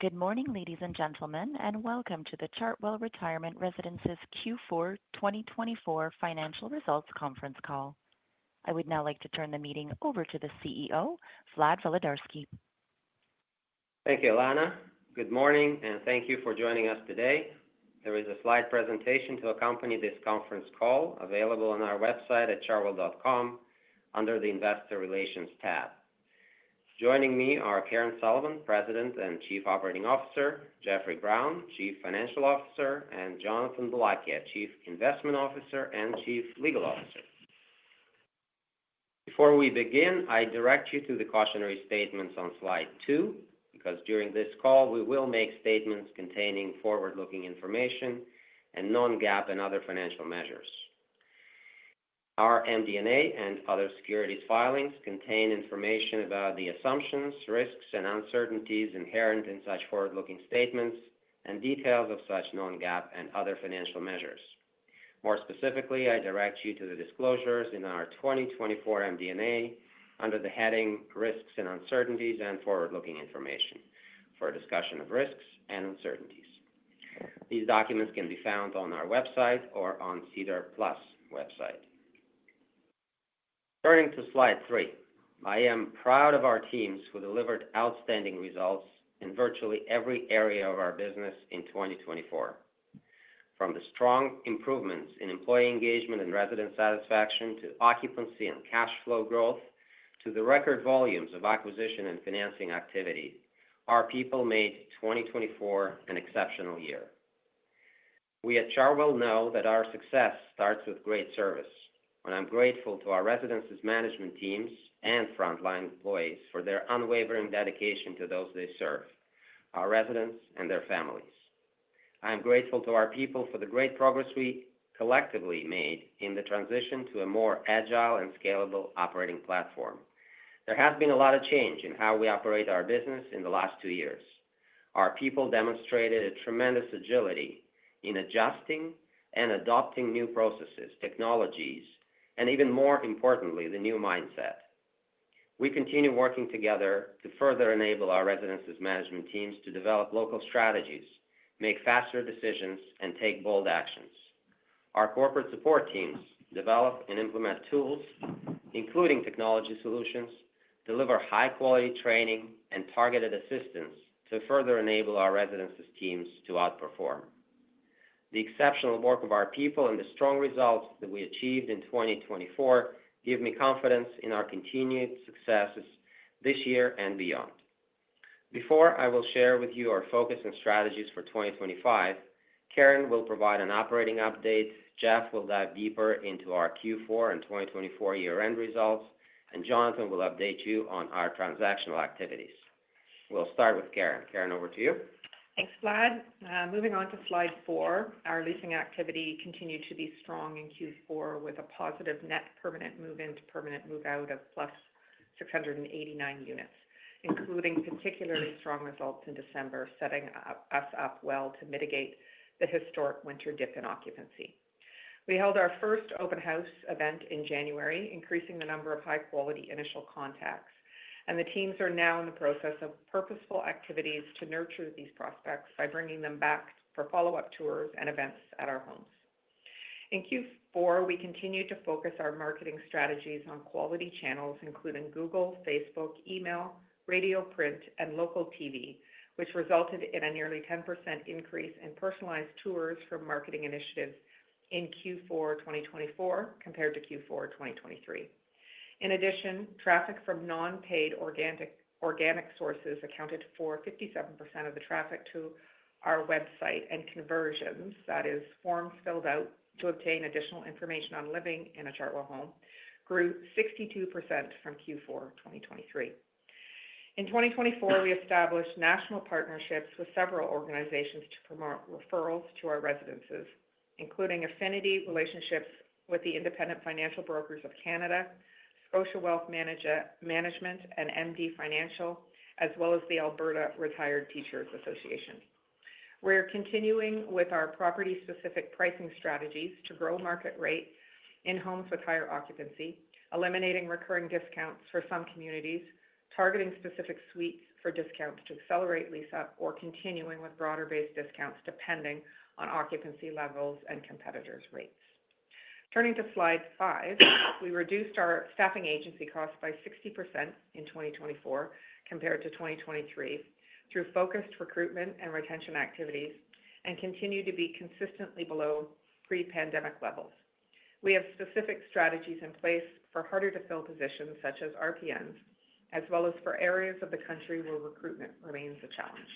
Good morning, ladies and gentlemen, and welcome to the Chartwell Retirement Residences Q4 2024 financial results conference call. I would now like to turn the meeting over to the CEO, Vlad Volodarski. Thank you, Alana. Good morning, and thank you for joining us today. There is a slide presentation to accompany this conference call available on our website at chartwell.com under the Investor Relations tab. Joining me are Karen Sullivan, President and Chief Operating Officer, Jeffrey Brown, Chief Financial Officer, and Jonathan Boulakia, Chief Investment Officer and Chief Legal Officer. Before we begin, I direct you to the cautionary statements on slide two, because during this call we will make statements containing forward-looking information and non-GAAP and other financial measures. Our MD&A and other securities filings contain information about the assumptions, risks, and uncertainties inherent in such forward-looking statements, and details of such non-GAAP and other financial measures. More specifically, I direct you to the disclosures in our 2024 MD&A under the heading "Risks and Uncertainties and Forward-Looking Information," for a discussion of risks and uncertainties. These documents can be found on our website or on SEDAR+ website. Turning to slide three, I am proud of our teams who delivered outstanding results in virtually every area of our business in 2024. From the strong improvements in employee engagement and resident satisfaction to occupancy and cash flow growth to the record volumes of acquisition and financing activity, our people made 2024 an exceptional year. We at Chartwell know that our success starts with great service, and I'm grateful to our residences management teams and frontline employees for their unwavering dedication to those they serve, our residents, and their families. I am grateful to our people for the great progress we collectively made in the transition to a more agile and scalable operating platform. There has been a lot of change in how we operate our business in the last two years. Our people demonstrated a tremendous agility in adjusting and adopting new processes, technologies, and even more importantly, the new mindset. We continue working together to further enable our residences management teams to develop local strategies, make faster decisions, and take bold actions. Our corporate support teams develop and implement tools, including technology solutions, deliver high-quality training, and targeted assistance to further enable our residences teams to outperform. The exceptional work of our people and the strong results that we achieved in 2024 give me confidence in our continued successes this year and beyond. Before I will share with you our focus and strategies for 2025, Karen will provide an operating update, Jeff will dive deeper into our Q4 and 2024 year-end results, and Jonathan will update you on our transactional activities. We'll start with Karen. Karen, over to you. Thanks, Vlad. Moving on to slide four, our leasing activity continued to be strong in Q4 with a positive net permanent move-in, permanent move-out of plus 689 units, including particularly strong results in December, setting us up well to mitigate the historic winter dip in occupancy. We held our first open house event in January, increasing the number of high-quality initial contacts, and the teams are now in the process of purposeful activities to nurture these prospects by bringing them back for follow-up tours and events at our homes. In Q4, we continued to focus our marketing strategies on quality channels, including Google, Facebook, email, radio/print, and local TV, which resulted in a nearly 10% increase in personalized tours from marketing initiatives in Q4 2024 compared to Q4 2023. In addition, traffic from non-paid organic sources accounted for 57% of the traffic to our website, and conversions, that is, forms filled out to obtain additional information on living in a Chartwell home, grew 62% from Q4 2023. In 2024, we established national partnerships with several organizations to promote referrals to our residences, including affinity relationships with the Independent Financial Brokers of Canada, Scotia Wealth Management, and MD Financial, as well as the Alberta Retired Teachers' Association. We're continuing with our property-specific pricing strategies to grow market rate in homes with higher occupancy, eliminating recurring discounts for some communities, targeting specific suites for discounts to accelerate lease-up, or continuing with broader-based discounts depending on occupancy levels and competitors' rates. Turning to slide 5, we reduced our staffing agency costs by 60% in 2024 compared to 2023 through focused recruitment and retention activities, and continue to be consistently below pre-pandemic levels. We have specific strategies in place for harder-to-fill positions such as RPNs, as well as for areas of the country where recruitment remains a challenge.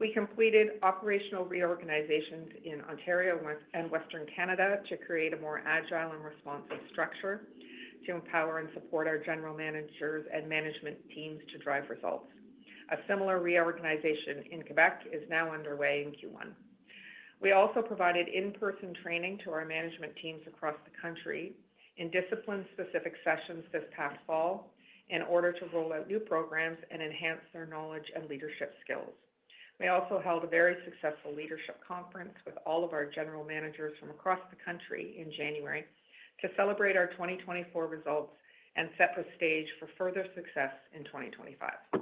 We completed operational reorganizations in Ontario and Western Canada to create a more agile and responsive structure to empower and support our general managers and management teams to drive results. A similar reorganization in Quebec is now underway in Q1. We also provided in-person training to our management teams across the country in discipline-specific sessions this past fall in order to roll out new programs and enhance their knowledge and leadership skills. We also held a very successful leadership conference with all of our general managers from across the country in January to celebrate our 2024 results and set the stage for further success in 2025.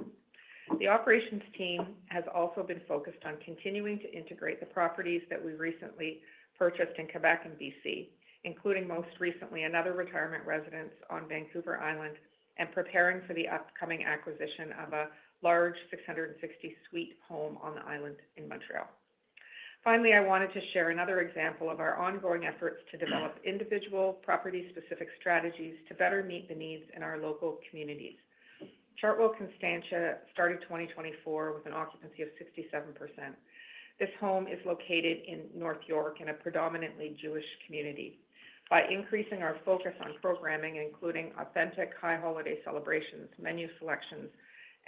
The operations team has also been focused on continuing to integrate the properties that we recently purchased in Quebec and BC, including most recently another retirement residence on Vancouver Island and preparing for the upcoming acquisition of a large 660-suite home on the island in Montreal. Finally, I wanted to share another example of our ongoing efforts to develop individual property-specific strategies to better meet the needs in our local communities. Chartwell Constantia started 2024 with an occupancy of 67%. This home is located in North York in a predominantly Jewish community. By increasing our focus on programming, including authentic high-holiday celebrations, menu selections,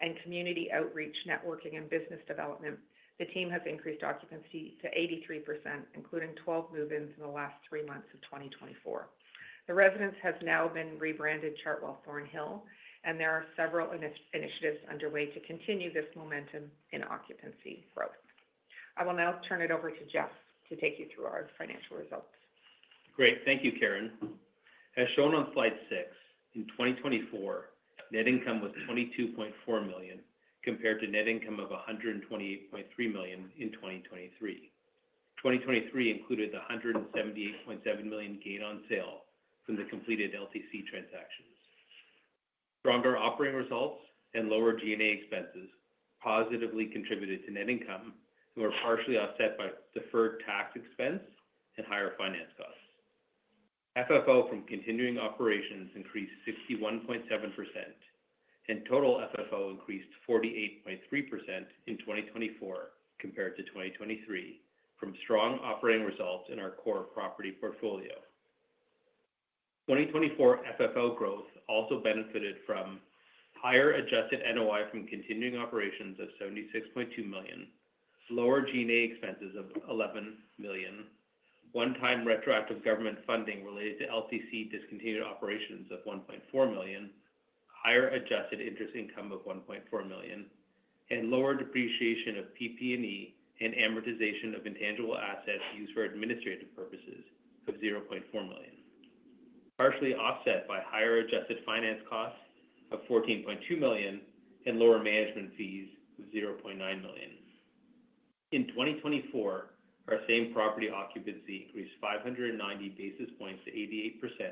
and community outreach, networking, and business development, the team has increased occupancy to 83%, including 12 move-ins in the last three months of 2024. The residence has now been rebranded Chartwell Thornhill, and there are several initiatives underway to continue this momentum in occupancy growth. I will now turn it over to Jeff to take you through our financial results. Great. Thank you, Karen. As shown on slide six, in 2024, net income was 22.4 million compared to net income of 128.3 million in 2023. 2023 included the 178.7 million gain on sale from the completed LTC transactions. Stronger operating results and lower G&A expenses positively contributed to net income, which were partially offset by deferred tax expense and higher finance costs. FFO from continuing operations increased 61.7%, and total FFO increased 48.3% in 2024 compared to 2023 from strong operating results in our core property portfolio. 2024 FFO growth also benefited from higher adjusted NOI from continuing operations of 76.2 million, lower G&A expenses of 11 million, one-time retroactive government funding related to LTC discontinued operations of 1.4 million, higher adjusted interest income of 1.4 million, and lower depreciation of PP&E and amortization of intangible assets used for administrative purposes of 0.4 million, partially offset by higher adjusted finance costs of 14.2 million and lower management fees of 0.9 million. In 2024, our same property occupancy increased 590 basis points to 88%,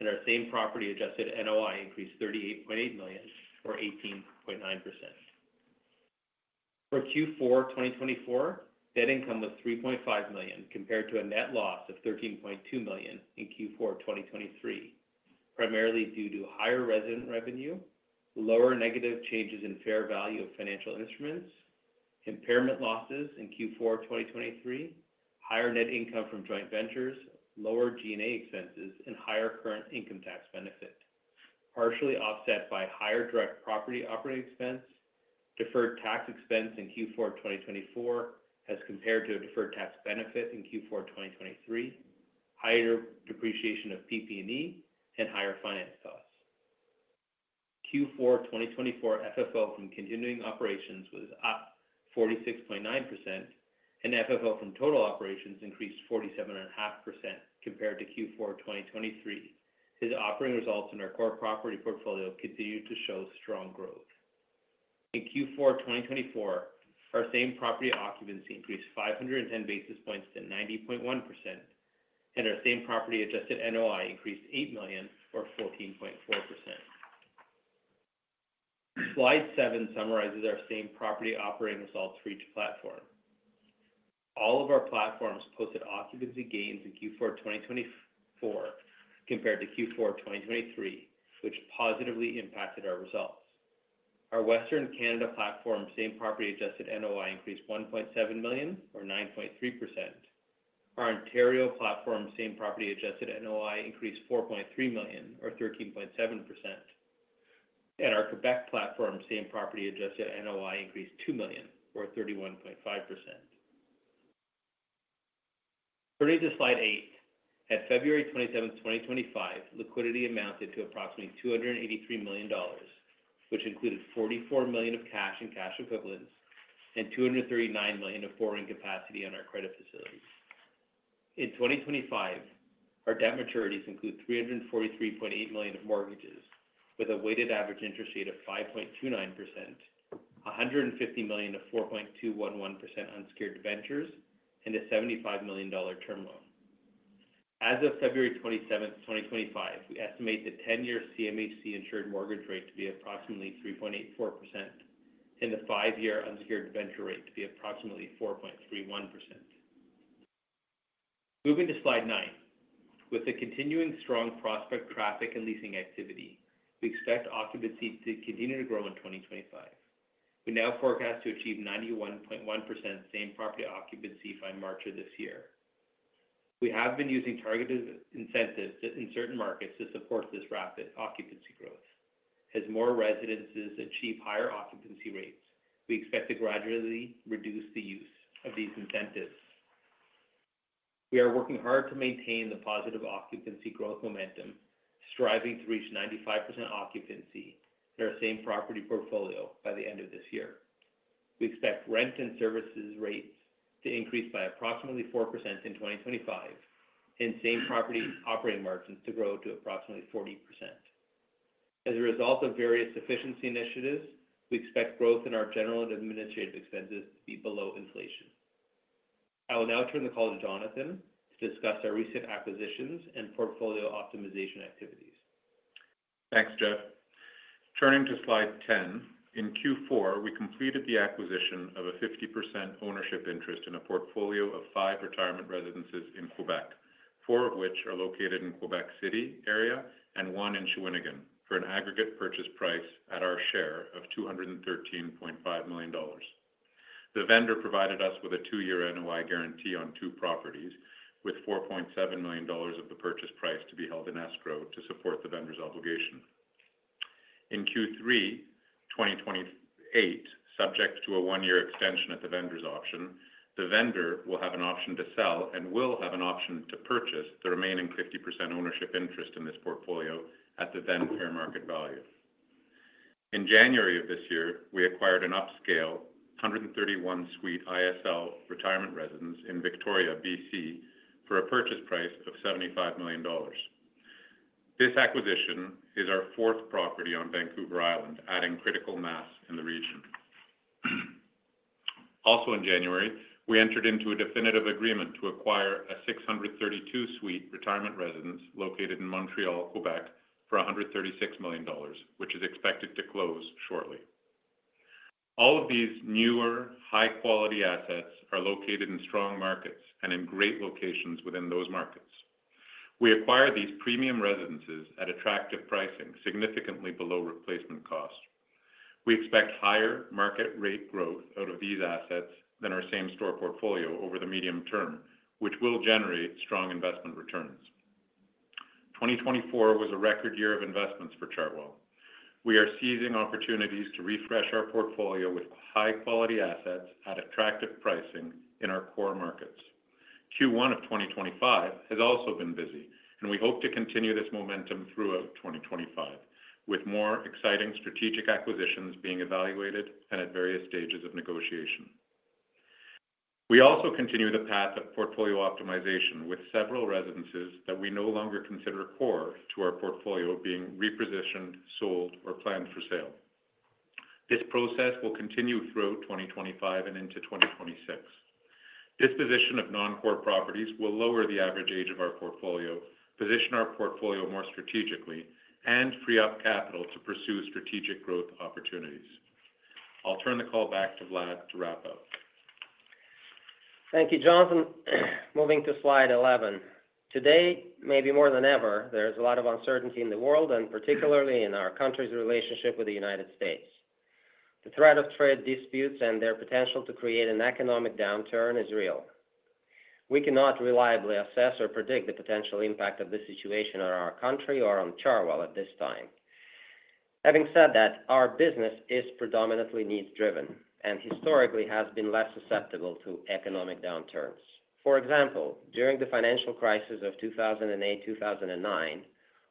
and our same property adjusted NOI increased 38.8 million or 18.9%. For Q4 2024, net income was CAD 3.5 million compared to a net loss of CAD 13.2 million in Q4 2023, primarily due to higher resident revenue, lower negative changes in fair value of financial instruments, impairment losses in Q4 2023, higher net income from joint ventures, lower G&A expenses, and higher current income tax benefit, partially offset by higher direct property operating expense, deferred tax expense in Q4 2024 as compared to a deferred tax benefit in Q4 2023, higher depreciation of PP&E, and higher finance costs. Q4 2024 FFO from continuing operations was up 46.9%, and FFO from total operations increased 47.5% compared to Q4 2023. Our operating results in our core property portfolio continued to show strong growth. In Q4 2024, our same property occupancy increased 510 basis points to 90.1%, and our same property adjusted NOI increased 8 million or 14.4%. Slide seven summarizes our same-property operating results for each platform. All of our platforms posted occupancy gains in Q4 2024 compared to Q4 2023, which positively impacted our results. Our Western Canada platform's same-property Adjusted NOI increased 1.7 million or 9.3%. Our Ontario platform's same-property Adjusted NOI increased 4.3 million or 13.7%. And our Quebec platform's same-property Adjusted NOI increased 2 million or 31.5%. Turning to slide eight, at February 27, 2025, liquidity amounted to approximately 283 million dollars, which included 44 million of cash and cash equivalents and 239 million of undrawn capacity on our credit facilities. In 2025, our debt maturities include 343.8 million of mortgages with a weighted average interest rate of 5.29%, 150 million of 4.211% unsecured debentures, and a 75 million dollar term loan. As of February 27, 2025, we estimate the 10-year CMHC insured mortgage rate to be approximately 3.84% and the 5-year unsecured venture rate to be approximately 4.31%. Moving to slide nine, with the continuing strong prospect traffic and leasing activity, we expect occupancy to continue to grow in 2025. We now forecast to achieve 91.1% same property occupancy by March of this year. We have been using targeted incentives in certain markets to support this rapid occupancy growth. As more residences achieve higher occupancy rates, we expect to gradually reduce the use of these incentives. We are working hard to maintain the positive occupancy growth momentum, striving to reach 95% occupancy in our same property portfolio by the end of this year. We expect rent and services rates to increase by approximately 4% in 2025 and same property operating margins to grow to approximately 40%. As a result of various efficiency initiatives, we expect growth in our general and administrative expenses to be below inflation. I will now turn the call to Jonathan to discuss our recent acquisitions and portfolio optimization activities. Thanks, Jeff. Turning to slide 10, in Q4, we completed the acquisition of a 50% ownership interest in a portfolio of five retirement residences in Quebec, four of which are located in Quebec City area and one in Shawinigan, for an aggregate purchase price at our share of 213.5 million dollars. The vendor provided us with a two-year NOI guarantee on two properties, with 4.7 million dollars of the purchase price to be held in escrow to support the vendor's obligation. In Q3 2028, subject to a one-year extension at the vendor's option, the vendor will have an option to sell and will have an option to purchase the remaining 50% ownership interest in this portfolio at the then fair market value. In January of this year, we acquired an upscale 131-suite ISL retirement residence in Victoria, BC, for a purchase price of 75 million dollars. This acquisition is our fourth property on Vancouver Island, adding critical mass in the region. Also, in January, we entered into a definitive agreement to acquire a 632-suite retirement residence located in Montreal, Quebec, for 136 million dollars, which is expected to close shortly. All of these newer high-quality assets are located in strong markets and in great locations within those markets. We acquired these premium residences at attractive pricing, significantly below replacement cost. We expect higher market rate growth out of these assets than our same store portfolio over the medium term, which will generate strong investment returns. 2024 was a record year of investments for Chartwell. We are seizing opportunities to refresh our portfolio with high-quality assets at attractive pricing in our core markets. Q1 of 2025 has also been busy, and we hope to continue this momentum throughout 2025, with more exciting strategic acquisitions being evaluated and at various stages of negotiation. We also continue the path of portfolio optimization with several residences that we no longer consider core to our portfolio being repositioned, sold, or planned for sale. This process will continue throughout 2025 and into 2026. Disposition of non-core properties will lower the average age of our portfolio, position our portfolio more strategically, and free up capital to pursue strategic growth opportunities. I'll turn the call back to Vlad to wrap up. Thank you, Jonathan. Moving to slide 11. Today, maybe more than ever, there is a lot of uncertainty in the world, and particularly in our country's relationship with the United States. The threat of trade disputes and their potential to create an economic downturn is real. We cannot reliably assess or predict the potential impact of this situation on our country or on Chartwell at this time. Having said that, our business is predominantly needs-driven and historically has been less susceptible to economic downturns. For example, during the financial crisis of 2008-2009,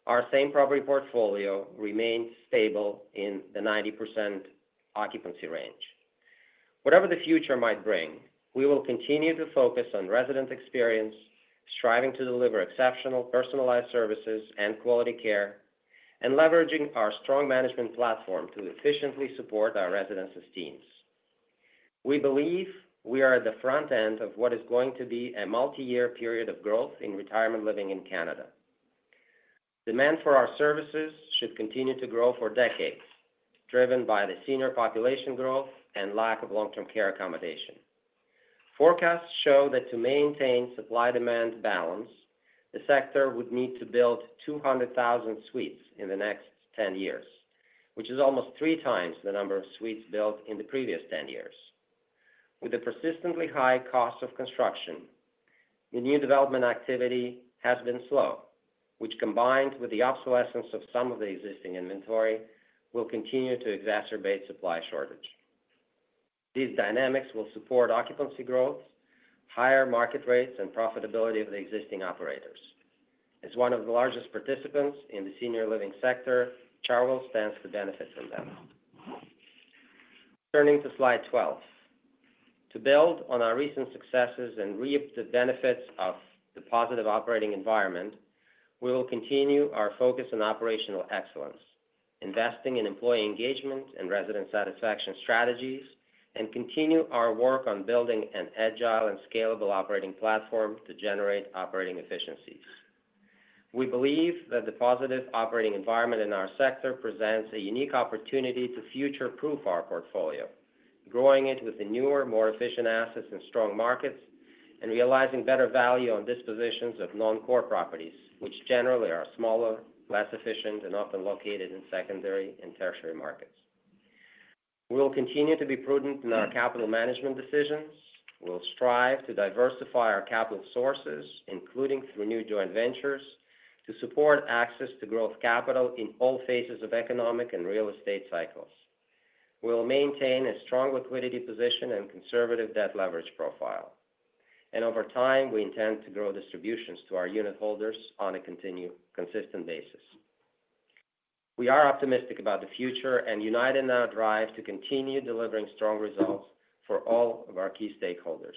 our same property portfolio remained stable in the 90% occupancy range. Whatever the future might bring, we will continue to focus on resident experience, striving to deliver exceptional personalized services and quality care, and leveraging our strong management platform to efficiently support our residences' teams. We believe we are at the front end of what is going to be a multi-year period of growth in retirement living in Canada. Demand for our services should continue to grow for decades, driven by the senior population growth and lack of long-term care accommodation. Forecasts show that to maintain supply-demand balance, the sector would need to build 200,000 suites in the next 10 years, which is almost three times the number of suites built in the previous 10 years. With the persistently high cost of construction, the new development activity has been slow, which, combined with the obsolescence of some of the existing inventory, will continue to exacerbate supply shortage. These dynamics will support occupancy growth, higher market rates, and profitability of the existing operators. As one of the largest participants in the senior living sector, Chartwell stands to benefit from them. Turning to slide 12. To build on our recent successes and reap the benefits of the positive operating environment, we will continue our focus on operational excellence, investing in employee engagement and resident satisfaction strategies, and continue our work on building an agile and scalable operating platform to generate operating efficiencies. We believe that the positive operating environment in our sector presents a unique opportunity to future-proof our portfolio, growing it with the newer, more efficient assets in strong markets and realizing better value on dispositions of non-core properties, which generally are smaller, less efficient, and often located in secondary and tertiary markets. We will continue to be prudent in our capital management decisions. We'll strive to diversify our capital sources, including through new joint ventures, to support access to growth capital in all phases of economic and real estate cycles. We'll maintain a strong liquidity position and conservative debt leverage profile. And over time, we intend to grow distributions to our unit holders on a consistent basis. We are optimistic about the future and united in our drive to continue delivering strong results for all of our key stakeholders.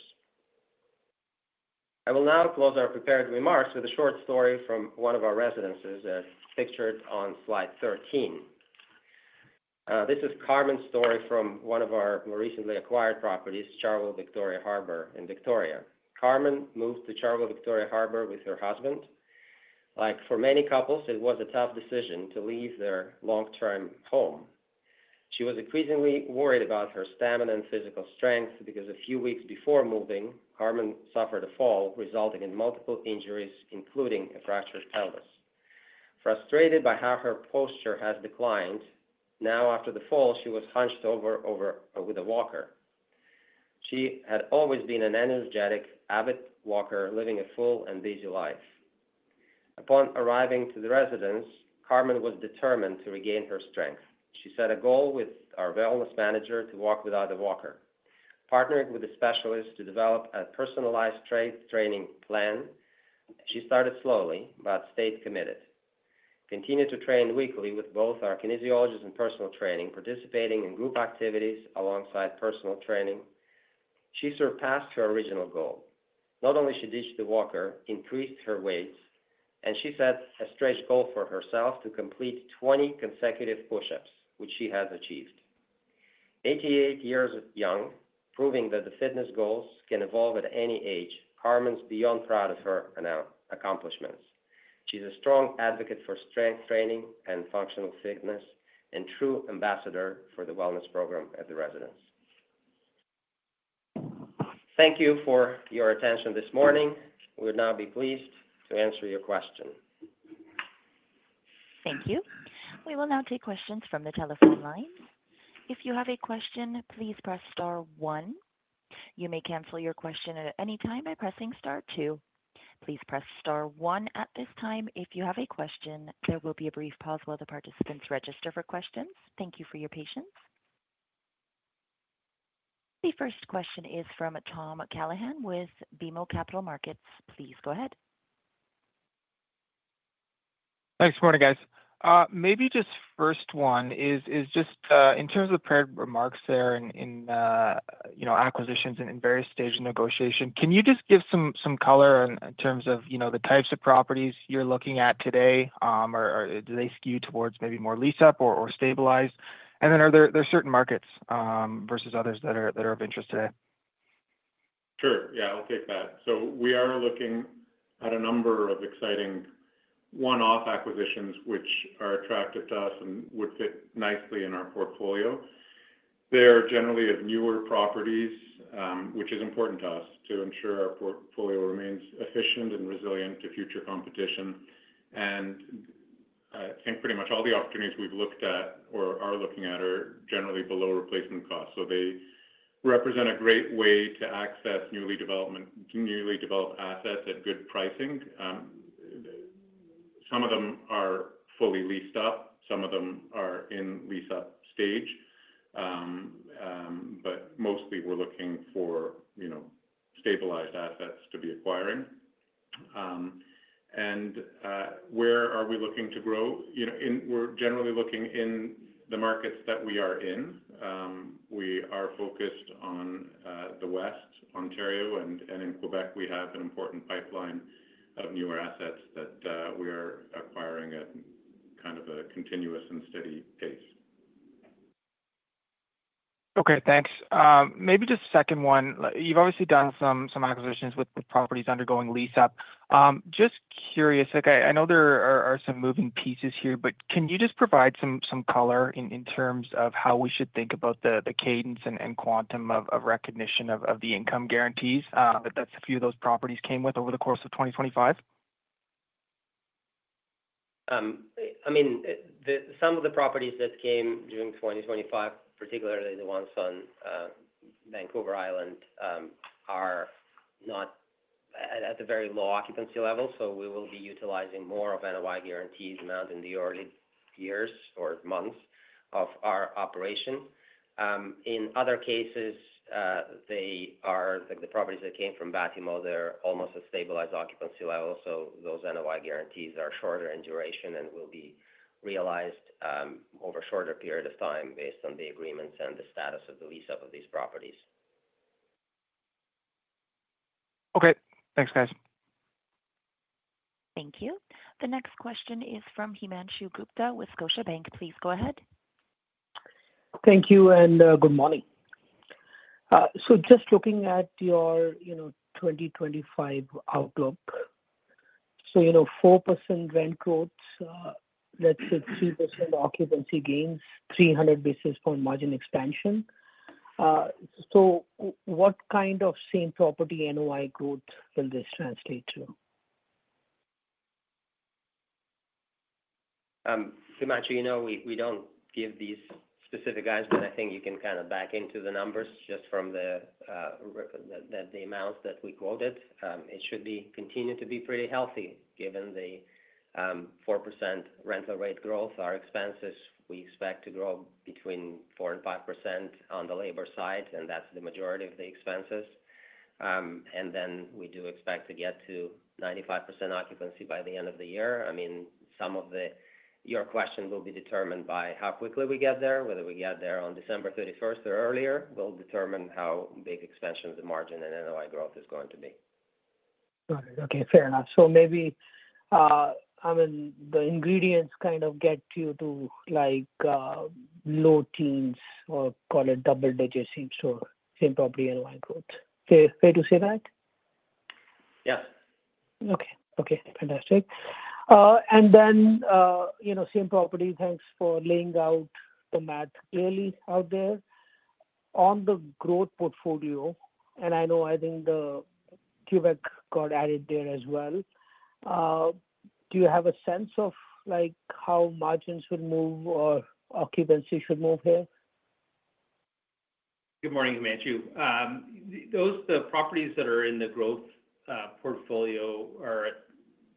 I will now close our prepared remarks with a short story from one of our residences as pictured on slide 13. This is Carmen's story from one of our more recently acquired properties, Chartwell Victorian in Victoria. Carmen moved to Chartwell Victorian with her husband. Like for many couples, it was a tough decision to leave their long-term home. She was increasingly worried about her stamina and physical strength because a few weeks before moving, Carmen suffered a fall resulting in multiple injuries, including a fractured pelvis. Frustrated by how her posture has declined, now after the fall, she was hunched over with a walker. She had always been an energetic, avid walker, living a full and busy life. Upon arriving to the residence, Carmen was determined to regain her strength. She set a goal with our wellness manager to walk without a walker. Partnered with a specialist to develop a personalized training plan, she started slowly but stayed committed. Continued to train weekly with both our kinesiologist and personal training, participating in group activities alongside personal training. She surpassed her original goal. Not only did she ditch the walker, increased her weights, and she set a stretch goal for herself to complete 20 consecutive push-ups, which she has achieved. 88 years young, proving that the fitness goals can evolve at any age, Carmen's beyond proud of her accomplishments. She's a strong advocate for strength training and functional fitness and true ambassador for the wellness program at the residence. Thank you for your attention this morning. We would now be pleased to answer your question. Thank you. We will now take questions from the telephone line. If you have a question, please press star one. You may cancel your question at any time by pressing star two. Please press star one at this time. If you have a question, there will be a brief pause while the participants register for questions. Thank you for your patience. The first question is from Tom Callaghan with BMO Capital Markets. Please go ahead. Thanks, guys. Maybe just first one is just in terms of the opening remarks there in acquisitions and in various stages of negotiation, can you just give some color in terms of the types of properties you're looking at today? Or do they skew towards maybe more lease-up or stabilized? And then are there certain markets versus others that are of interest today? Sure. Yeah, I'll take that. So we are looking at a number of exciting one-off acquisitions which are attractive to us and would fit nicely in our portfolio. They're generally of newer properties, which is important to us to ensure our portfolio remains efficient and resilient to future competition. And I think pretty much all the opportunities we've looked at or are looking at are generally below replacement cost. So they represent a great way to access newly developed assets at good pricing. Some of them are fully leased up. Some of them are in lease-up stage. But mostly, we're looking for stabilized assets to be acquiring. And where are we looking to grow? We're generally looking in the markets that we are in. We are focused on the West, Ontario, and in Quebec, we have an important pipeline of newer assets that we are acquiring at kind of a continuous and steady pace. Okay, thanks. Maybe just a second one. You've obviously done some acquisitions with properties undergoing lease-up. Just curious, I know there are some moving pieces here, but can you just provide some color in terms of how we should think about the cadence and quantum of recognition of the income guarantees that a few of those properties came with over the course of 2025? I mean, some of the properties that came during 2025, particularly the ones on Vancouver Island, are not at a very low occupancy level. So we will be utilizing more of NOI guarantees in the early years or months of our operation. In other cases, the properties that came from Batimo, they're almost a stabilized occupancy level. So those NOI guarantees are shorter in duration and will be realized over a shorter period of time based on the agreements and the status of the lease-up of these properties. Okay. Thanks, guys. Thank you. The next question is from Himanshu Gupta with Scotiabank. Please go ahead. Thank you and good morning. So just looking at your 2025 outlook, so 4% rent growth, let's say 3% occupancy gains, 300 basis point margin expansion. So what kind of same property NOI growth will this translate to? Himanshu, we don't give these specific guides, but I think you can kind of back into the numbers just from the amounts that we quoted. It should continue to be pretty healthy given the 4% rental rate growth. Our expenses, we expect to grow between 4% and 5% on the labor side, and that's the majority of the expenses. And then we do expect to get to 95% occupancy by the end of the year. I mean, some of your question will be determined by how quickly we get there. Whether we get there on December 31st or earlier will determine how big expansion of the margin and NOI growth is going to be. Got it. Okay. Fair enough. So maybe the ingredients kind of get you to low teens or call it double digits, same property NOI growth. Fair to say that? Yes. Okay. Okay. Fantastic. And then Same Property, thanks for laying out the math clearly out there. On the growth portfolio, and I know I think the Quebec got added there as well, do you have a sense of how margins should move or occupancy should move here? Good morning, Himanshu. Those properties that are in the growth portfolio are at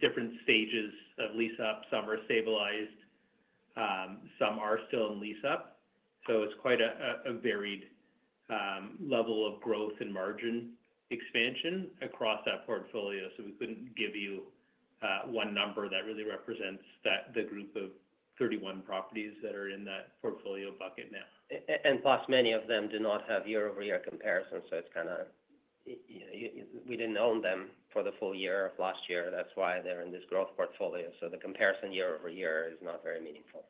different stages of lease-up. Some are stabilized. Some are still in lease-up. So it's quite a varied level of growth and margin expansion across that portfolio. So we couldn't give you one number that really represents the group of 31 properties that are in that portfolio bucket now. Plus, many of them do not have year-over-year comparison. It's kind of we didn't own them for the full year of last year. That's why they're in this growth portfolio. The comparison year-over-year is not very meaningful.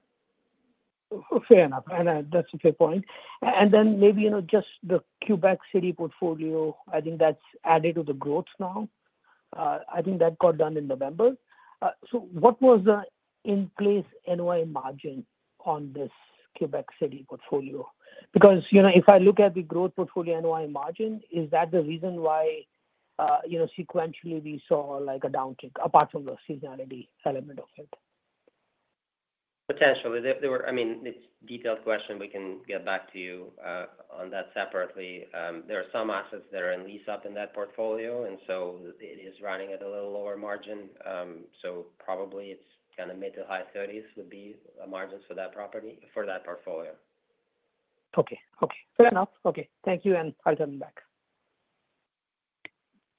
Fair enough. And that's a fair point. And then maybe just the Quebec City portfolio, I think that's added to the growth now. I think that got done in November. So what was the in-place NOI margin on this Quebec City portfolio? Because if I look at the growth portfolio NOI margin, is that the reason why sequentially we saw a downtick apart from the seasonality element of it? Potentially. I mean, it's a detailed question. We can get back to you on that separately. There are some assets that are in lease-up in that portfolio, and so it is running at a little lower margin. So probably it's kind of mid- to high-30s would be the margins for that property for that portfolio. Okay. Okay. Fair enough. Okay. Thank you, and I'll turn it back.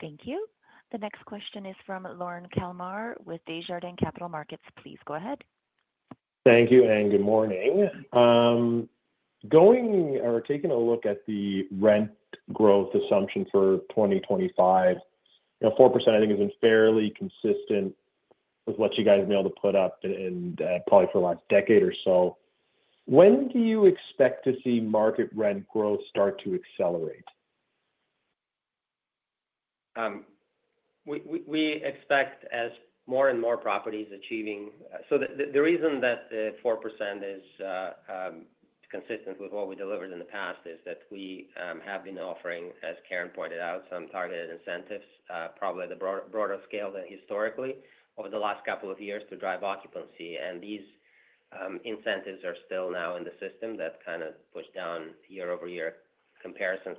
Thank you. The next question is from Lorne Kalmar with Desjardins Capital Markets. Please go ahead. Thank you and good morning. Taking a look at the rent growth assumption for 2025, 4% I think has been fairly consistent with what you guys have been able to put up probably for the last decade or so. When do you expect to see market rent growth start to accelerate? We expect, as more and more properties achieving so the reason that the 4% is consistent with what we delivered in the past is that we have been offering, as Karen pointed out, some targeted incentives, probably at a broader scale than historically over the last couple of years to drive occupancy. And these incentives are still now in the system that kind of push down year-over-year comparisons,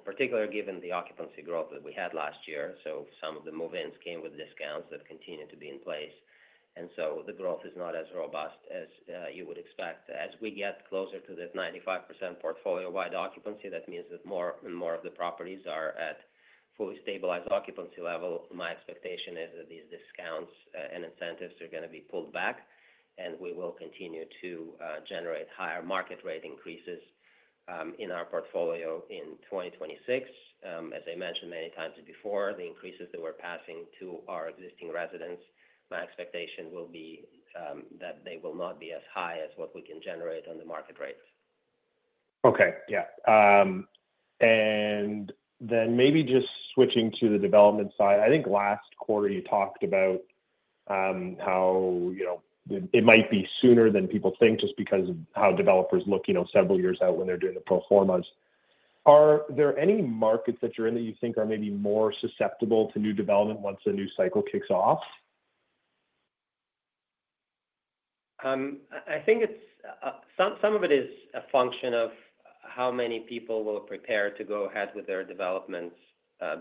particularly given the occupancy growth that we had last year. So some of the move-ins came with discounts that continue to be in place. And so the growth is not as robust as you would expect. As we get closer to this 95% portfolio-wide occupancy, that means that more and more of the properties are at fully stabilized occupancy level. My expectation is that these discounts and incentives are going to be pulled back, and we will continue to generate higher market rate increases in our portfolio in 2026. As I mentioned many times before, the increases that we're passing to our existing residents, my expectation will be that they will not be as high as what we can generate on the market rate. Okay. Yeah. And then maybe just switching to the development side, I think last quarter you talked about how it might be sooner than people think just because of how developers look several years out when they're doing the pro formas. Are there any markets that you're in that you think are maybe more susceptible to new development once the new cycle kicks off? I think some of it is a function of how many people will prepare to go ahead with their developments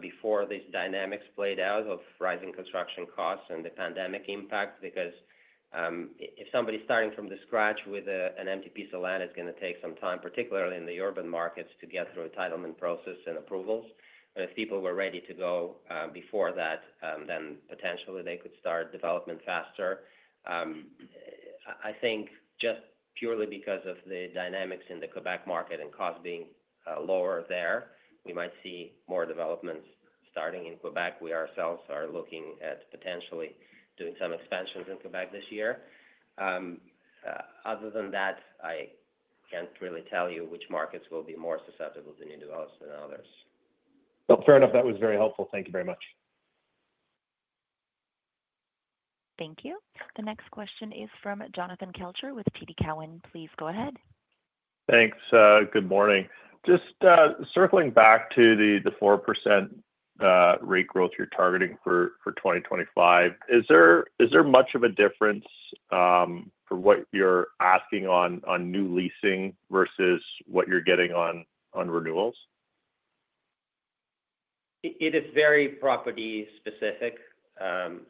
before these dynamics played out of rising construction costs and the pandemic impact. Because if somebody's starting from scratch with an empty piece of land, it's going to take some time, particularly in the urban markets, to get through entitlement process and approvals. But if people were ready to go before that, then potentially they could start development faster. I think just purely because of the dynamics in the Quebec market and cost being lower there, we might see more developments starting in Quebec. We ourselves are looking at potentially doing some expansions in Quebec this year. Other than that, I can't really tell you which markets will be more susceptible to new developments than others. Well, fair enough. That was very helpful. Thank you very much. Thank you. The next question is from Jonathan Kelcher with TD Cowen. Please go ahead. Thanks. Good morning. Just circling back to the 4% rate growth you're targeting for 2025, is there much of a difference for what you're asking on new leasing versus what you're getting on renewals? It is very property specific, and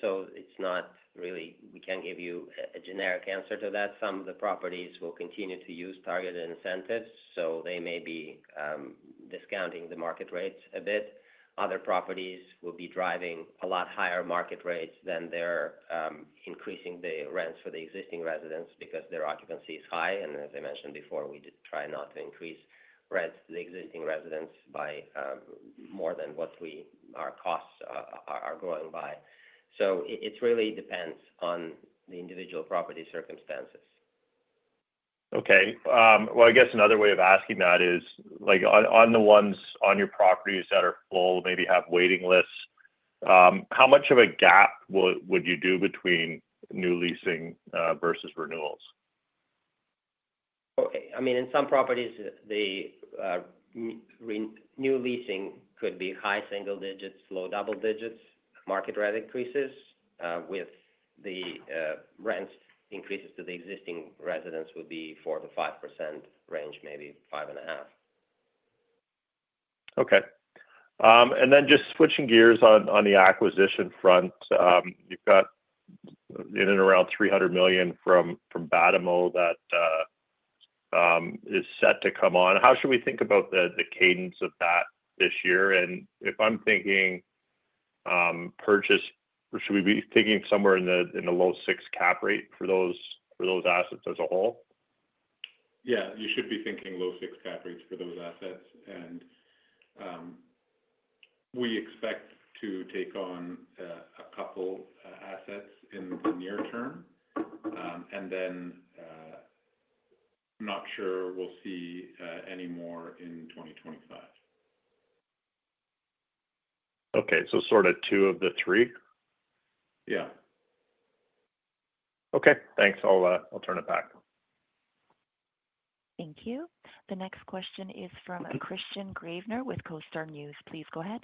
so it's not really, we can't give you a generic answer to that. Some of the properties will continue to use targeted incentives, so they may be discounting the market rates a bit. Other properties will be driving a lot higher market rates than they're increasing the rents for the existing residents because their occupancy is high, and as I mentioned before, we try not to increase rents to the existing residents by more than what our costs are growing by, so it really depends on the individual property circumstances. Okay. I guess another way of asking that is, on the ones on your properties that are full, maybe have waiting lists, how much of a gap would you do between new leasing versus renewals? Okay. I mean, in some properties, new leasing could be high single digits, low double digits, market rate increases. With the rents increases to the existing residents would be 4%-5% range, maybe 5.5%. Okay. And then just switching gears on the acquisition front, you've got in and around 300 million from Batimo that is set to come on. How should we think about the cadence of that this year? And if I'm thinking purchase, should we be thinking somewhere in the low six cap rate for those assets as a whole? Yeah. You should be thinking low six cap rates for those assets. And we expect to take on a couple assets in the near term. And then not sure we'll see any more in 2025. Okay. So sort of two of the three? Yeah. Okay. Thanks. I'll turn it back. Thank you. The next question is from Kristian Gravenor with CoStar Group. Please go ahead.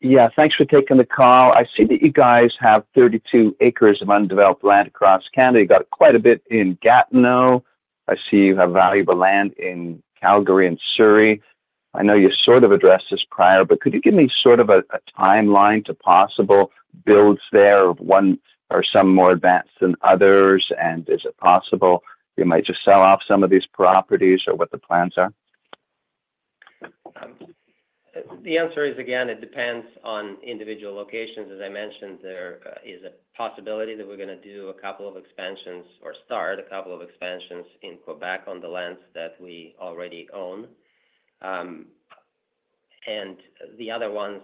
Yeah. Thanks for taking the call. I see that you guys have 32 acres of undeveloped land across Canada. You got quite a bit in Gatineau. I see you have valuable land in Calgary and Surrey. I know you sort of addressed this prior, but could you give me sort of a timeline to possible builds there of one or some more advanced than others? And is it possible you might just sell off some of these properties or what the plans are? The answer is, again, it depends on individual locations. As I mentioned, there is a possibility that we're going to do a couple of expansions or start a couple of expansions in Quebec on the lands that we already own, and the other one's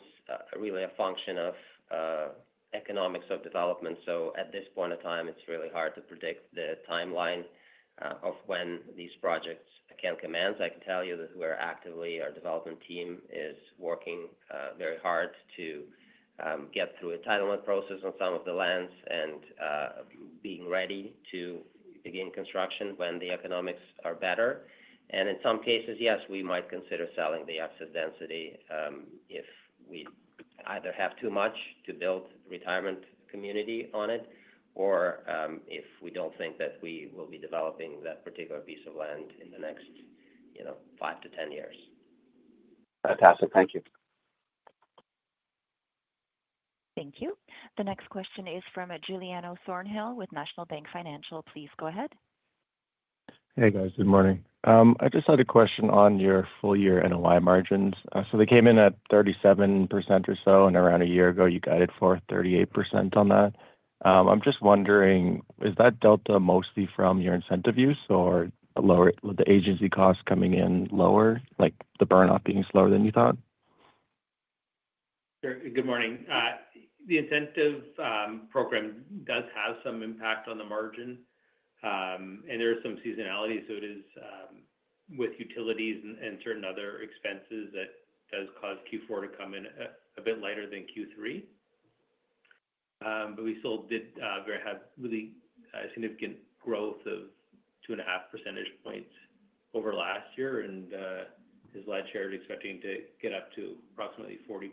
really a function of economics of development. So at this point in time, it's really hard to predict the timeline of when these projects can commence. I can tell you that we're actively our development team is working very hard to get through entitlement process on some of the lands and being ready to begin construction when the economics are better. In some cases, yes, we might consider selling the excess density if we either have too much to build retirement community on it or if we don't think that we will be developing that particular piece of land in the next 5-10 years. Fantastic. Thank you. Thank you. The next question is from Tal Woolley with National Bank Financial. Please go ahead. Hey, guys. Good morning. I just had a question on your full year NOI margins. So they came in at 37% or so, and around a year ago, you guided for 38% on that. I'm just wondering, is that delta mostly from your incentive use or the agency costs coming in lower, like the burn-off being slower than you thought? Good morning. The incentive program does have some impact on the margin, and there is some seasonality. So it is, with utilities and certain other expenses, that does cause Q4 to come in a bit lighter than Q3. But we still did have really significant growth of two and a half percentage points over last year. And is Ledger expecting to get up to approximately 40%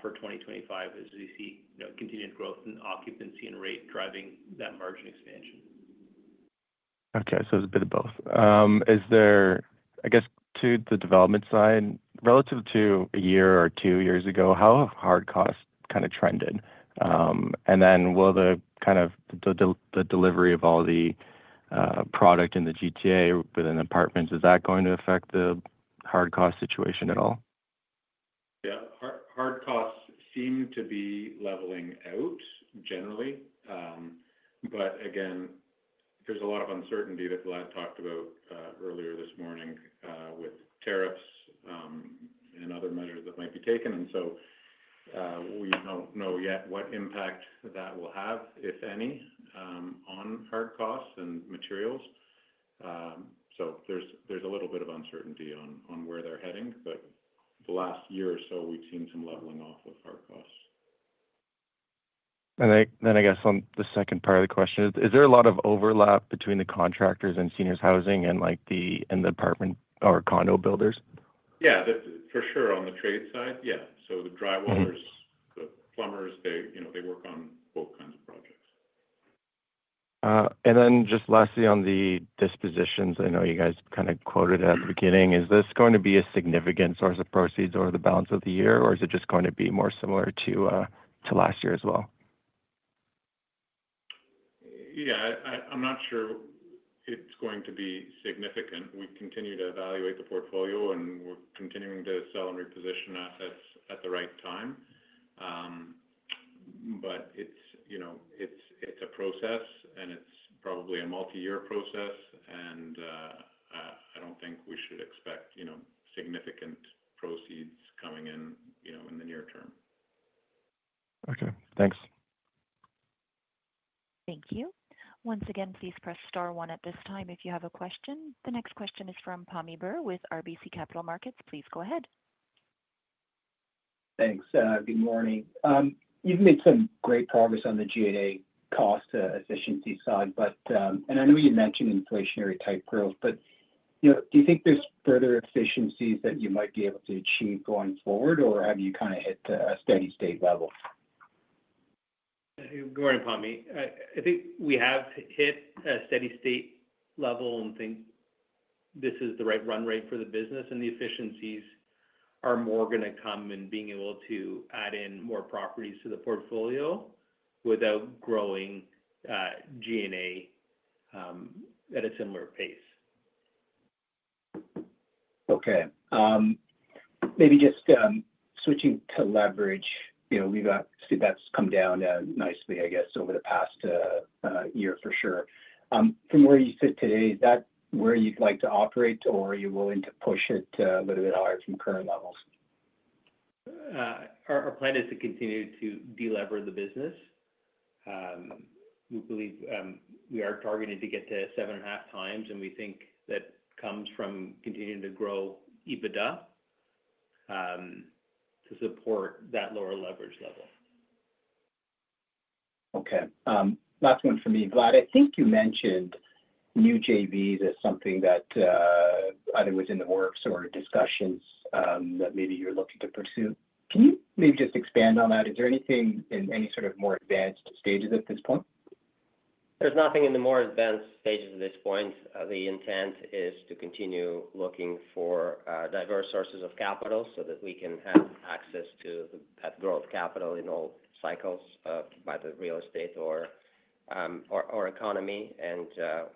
for 2025 as we see continued growth in occupancy and rate driving that margin expansion. Okay. So it's a bit of both. I guess to the development side, relative to a year or two years ago, how have hard costs kind of trended? And then will the kind of the delivery of all the product in the GTA within apartments, is that going to affect the hard cost situation at all? Yeah. Hard costs seem to be leveling out generally. But again, there's a lot of uncertainty that Vlad talked about earlier this morning with tariffs and other measures that might be taken. And so we don't know yet what impact that will have, if any, on hard costs and materials. So there's a little bit of uncertainty on where they're heading. But the last year or so, we've seen some leveling off of hard costs. And then I guess on the second part of the question, is there a lot of overlap between the contractors and seniors' housing and the apartment or condo builders? Yeah. For sure. On the trade side, yeah. So the drywallers, the plumbers, they work on both kinds of projects. And then just lastly, on the dispositions, I know you guys kind of quoted it at the beginning. Is this going to be a significant source of proceeds over the balance of the year, or is it just going to be more similar to last year as well? Yeah. I'm not sure it's going to be significant. We continue to evaluate the portfolio, and we're continuing to sell and reposition assets at the right time. But it's a process, and it's probably a multi-year process. And I don't think we should expect significant proceeds coming in in the near term. Okay. Thanks. Thank you. Once again, please press star one at this time if you have a question. The next question is from Pammi Bir with RBC Capital Markets. Please go ahead. Thanks. Good morning. You've made some great progress on the G&A cost efficiency side. And I know you mentioned inflationary-type growth, but do you think there's further efficiencies that you might be able to achieve going forward, or have you kind of hit a steady state level? Good morning, Pammi. I think we have hit a steady state level and think this is the right run rate for the business, and the efficiencies are more going to come in being able to add in more properties to the portfolio without growing G&A at a similar pace. Okay. Maybe just switching to leverage, we've seen that's come down nicely, I guess, over the past year for sure. From where you sit today, is that where you'd like to operate, or are you willing to push it a little bit higher from current levels? Our plan is to continue to delever the business. We believe we are targeted to get to seven and a half times, and we think that comes from continuing to grow EBITDA to support that lower leverage level. Okay. Last one from me, Vlad. I think you mentioned new JVs as something that either was in the works or discussions that maybe you're looking to pursue. Can you maybe just expand on that? Is there anything in any sort of more advanced stages at this point? There's nothing in the more advanced stages at this point. The intent is to continue looking for diverse sources of capital so that we can have access to that growth capital in all cycles by the real estate or economy. And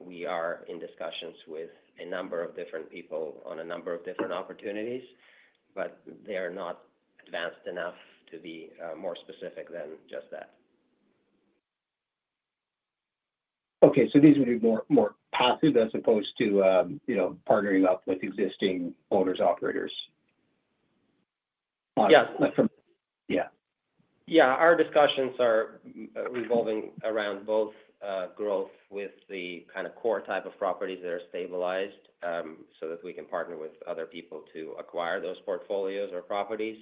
we are in discussions with a number of different people on a number of different opportunities, but they are not advanced enough to be more specific than just that. Okay, so these would be more passive as opposed to partnering up with existing owners' operators? Yeah. Yeah. Yeah. Our discussions are revolving around both growth with the kind of core type of properties that are stabilized so that we can partner with other people to acquire those portfolios or properties.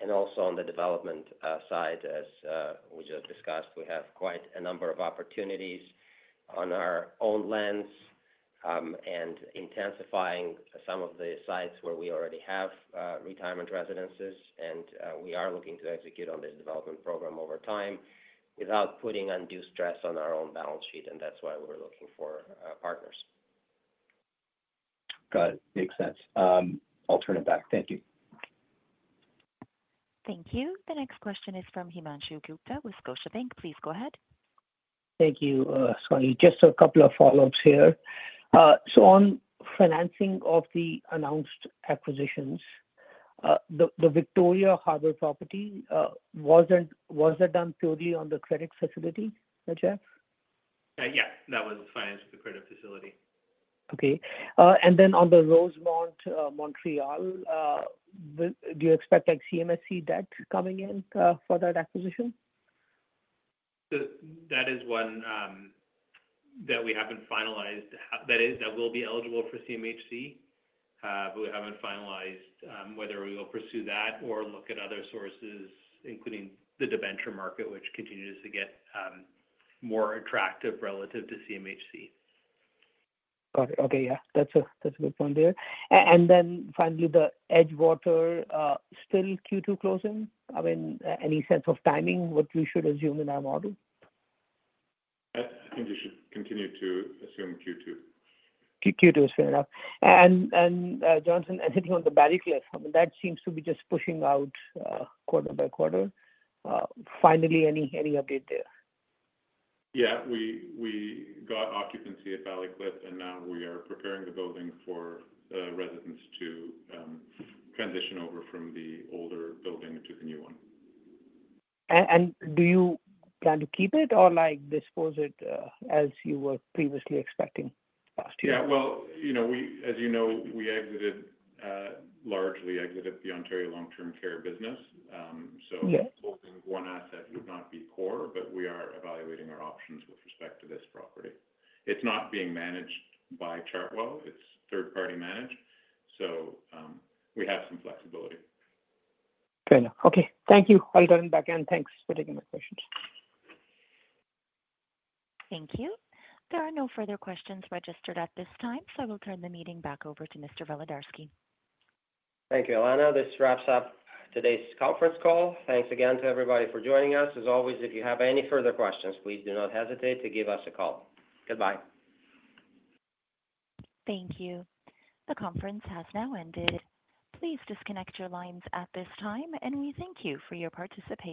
And also on the development side, as we just discussed, we have quite a number of opportunities on our own lands and intensifying some of the sites where we already have retirement residences. And we are looking to execute on this development program over time without putting undue stress on our own balance sheet. And that's why we're looking for partners. Got it. Makes sense. I'll turn it back. Thank you. Thank you. The next question is from Himanshu Gupta with Scotiabank. Please go ahead. Thank you, so. Just a couple of follow-ups here. So on financing of the announced acquisitions, the Victoria Harbour property, was that done purely on the credit facility, Jeff? Yeah. That was financed with the credit facility. Okay. And then on Le Rosemont, Montreal, do you expect CMHC debt coming in for that acquisition? That is one that we haven't finalized that will be eligible for CMHC. We haven't finalized whether we will pursue that or look at other sources, including the debenture market, which continues to get more attractive relative to CMHC. Got it. Okay. Yeah. That's a good point there. And then finally, the Edgewater, still Q2 closing? I mean, any sense of timing what we should assume in our model? I think you should continue to assume Q2. Q2 is fair enough, and Johnson, anything on the Ballycliffe? I mean, that seems to be just pushing out quarter by quarter. Finally, any update there? Yeah. We got occupancy at Ballycliffe, and now we are preparing the building for residents to transition over from the older building to the new one. And do you plan to keep it or dispose it as you were previously expecting last year? Yeah, well, as you know, we largely exited the Ontario long-term care business. So holding one asset would not be poor, but we are evaluating our options with respect to this property. It's not being managed by Chartwell. It's third-party managed. So we have some flexibility. Fair enough. Okay. Thank you, Aldon back, and thanks for taking my questions. Thank you. There are no further questions registered at this time, so I will turn the meeting back over to Mr. Volodarski. Thank you, Alanna. This wraps up today's conference call. Thanks again to everybody for joining us. As always, if you have any further questions, please do not hesitate to give us a call. Goodbye. Thank you. The conference has now ended. Please disconnect your lines at this time, and we thank you for your participation.